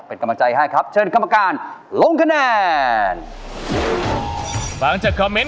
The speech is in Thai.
เป็นกำลังใจให้ครับเชิญคำการลงคะแนน